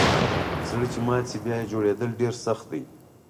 زړه چي مات سي بیا یه جوړیدل ډیر سخت دئ